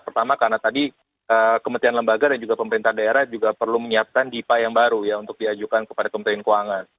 pertama karena tadi kementerian lembaga dan juga pemerintah daerah juga perlu menyiapkan dipa yang baru ya untuk diajukan kepada kementerian keuangan